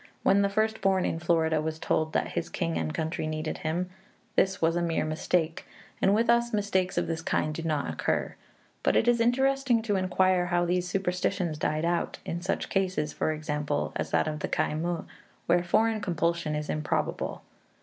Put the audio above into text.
When the first born in Florida was told that his king and country needed him, this was a mere mistake, and with us mistakes of this kind do not occur. But it is interesting to inquire how these superstitions died out, in such cases, for example, as that of Khai muh, where foreign compulsion is improbable.